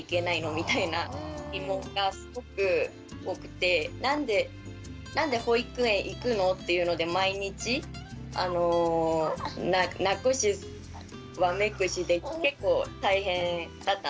みたいな疑問がすごく多くて「なんで保育園行くの？」っていうので毎日泣くしわめくしで結構大変だったんですね。